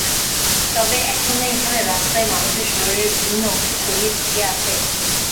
তবে এখনো এখানে রাস্তায় মানুষের শরীরের বিভিন্ন অংশ ছড়িয়ে ছিটিয়ে আছে।